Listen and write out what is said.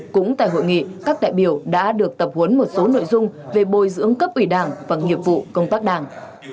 cũng tại hội nghị các đại biểu đã được tập huấn một số nội dung về bồi dưỡng cấp ủy đảng và nghiệp vụ công tác đảng